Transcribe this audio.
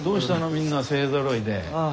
みんな勢ぞろいで。